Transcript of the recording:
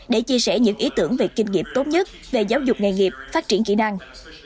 để chia sẻ những ý tưởng về kinh nghiệm tốt nhất về giáo dục nghề nghiệp phát triển kỹ năng